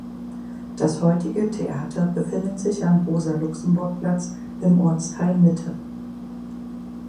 Das heutige Theater befindet sich am Rosa-Luxemburg-Platz im Ortsteil Mitte.